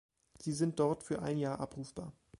Sie sind dort für ein Jahr abrufbar.